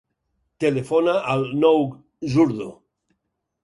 Telefona al Nouh Zurdo.